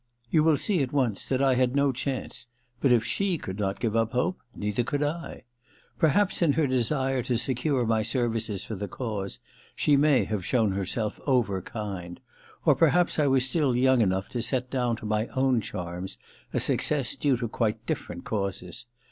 You will see at once that I had no chance ; but if she could not give up hope, neither could I. Perhaps in her desire to secure my services for the cause she may have shown herself overkind : or perhaps I was still young enough to set down to my own charms a success due to quite difierent causes.